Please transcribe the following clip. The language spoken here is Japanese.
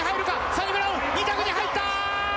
サニブラウン２着に入ったー！